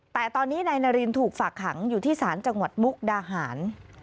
แต่ตอนนี้นายนารินถูกฝากขังอยู่ที่ศาลจังหวัดมุกดาหาร